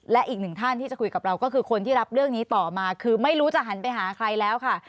และอีกหนึ่งท่านที่จะคุยกับเราก็คือคนที่รับเรื่องนี้ต่อมาคือไม่รู้จะหันไปหาใครแล้วค่ะ